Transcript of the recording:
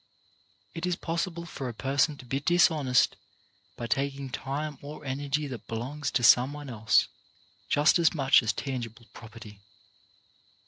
It is possible for a person to be dishonest by taking time or energy that belongs to someone else, just as much as tangible property.